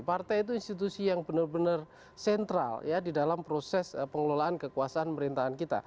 partai itu institusi yang benar benar sentral ya di dalam proses pengelolaan kekuasaan pemerintahan kita